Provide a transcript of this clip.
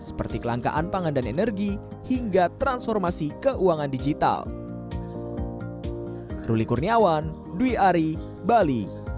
seperti kelangkaan pangan dan energi hingga transformasi keuangan digital